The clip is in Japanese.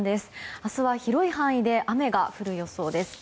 明日は広い範囲で雨が降る予想です。